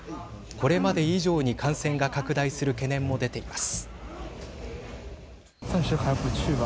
これまで以上に感染が拡大する懸念も出ています。